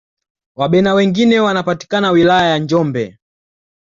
wabena wengine wanapatika wilaya ya njombe